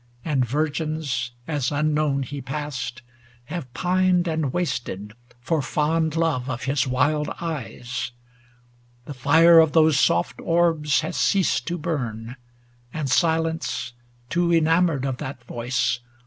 And virgins, as unknown he passed, have pined And wasted for fond love of his wild eyes. The fire of those soft orbs has ceased to burn. And Silence, too enamoured of that voice.